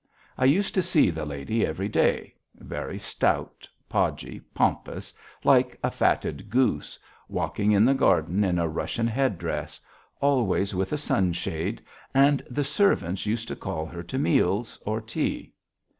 I used to see the lady every day, very stout, podgy, pompous, like a fatted goose, walking in the garden in a Russian head dress, always with a sunshade, and the servants used to call her to meals or tea.